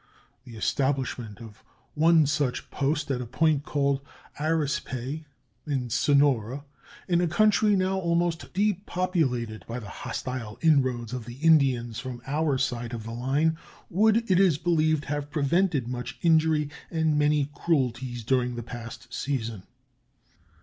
The establishment of one such post at a point called Arispe, in Sonora, in a country now almost depopulated by the hostile inroads of the Indians from our side of the line, would, it is believed, have prevented much injury and many cruelties during the past season.